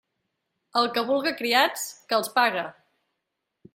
El que vulga criats, que els pague.